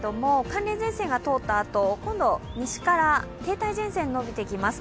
関連前線が通ったあと、西から停滞前線が伸びてきます。